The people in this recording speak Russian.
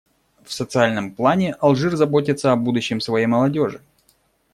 В социальном плане Алжир заботится о будущем своей молодежи.